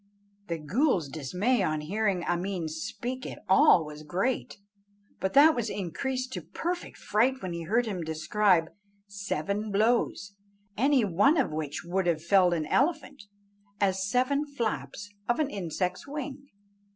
The ghool's dismay on hearing Ameen speak at all was great, but that was increased to perfect fright when he heard him describe seven blows, any one of which would have felled an elephant, as seven flaps of an insect's wing.